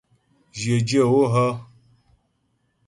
Jyə dyə̌ o hə́ ?